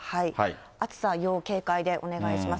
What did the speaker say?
暑さは要警戒でお願いします。